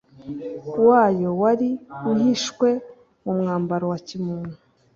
wayo wari uhishwe mu mwambaro wa kimuntu,